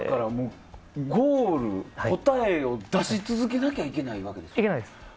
常にゴール答えを出し続けなきゃいけないわけですよ。